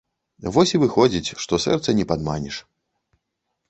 Вось і выходзіць, што сэрца не падманеш.